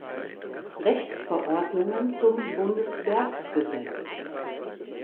Rechtsverordnungen zum Bundesberggesetz